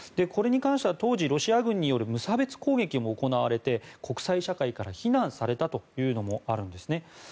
これに関しては当時、ロシア軍による無差別攻撃も行われて国際社会から非難されたということもあるんですね。